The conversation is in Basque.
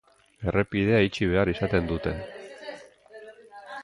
Errepidea itxi behar izan dute.